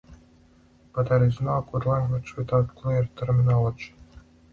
But there is no good language without clear terminology.